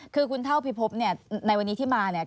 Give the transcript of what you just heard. คือคุณเท่าพิพบเนี่ยในวันนี้ที่มาเนี่ย